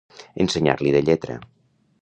Ensenyar-li de lletra.